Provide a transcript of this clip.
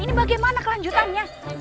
ini bagaimana kelanjutannya